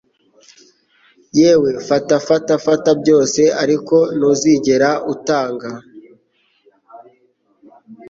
yewe Fata fata fata byose ariko ntuzigera utanga